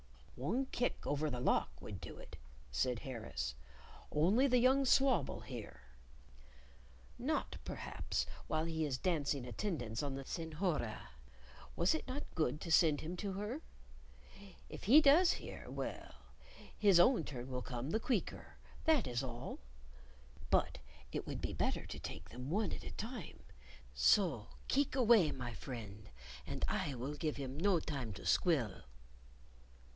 "One kick over the lock would do it," said Harris; "only the young swab'll hear." "Not perhaps while he is dancing attendance on the senhora. Was it not good to send him to her? If he does hear, well, his own turn will come the queecker, that is all. But it would be better to take them one at a time; so keeck away, my friend, and I will give him no time to squil."